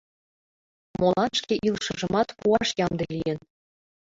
Молан шке илышыжымат пуаш ямде лийын?